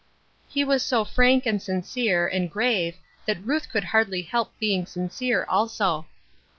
He was so frank and sincere and grave that Ruth could hardly help being sincere also.